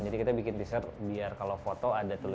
jadi kita bikin t shirt biar kalau foto ada tulisan geofnya